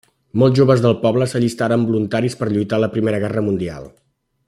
Molt joves del poble s'allistaren voluntaris per lluitar a la Primera Guerra Mundial.